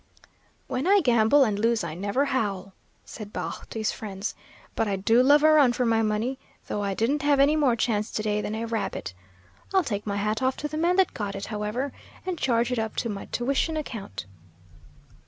"When I gamble and lose I never howl," said Baugh to his friends, "but I do love a run for my money, though I didn't have any more chance to day than a rabbit. I'll take my hat off to the man that got it, however, and charge it up to my tuition account."